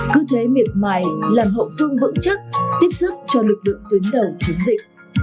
cứ thế miệt mài làm hậu phương vững chắc tiếp sức cho lực lượng tuyến đầu chống dịch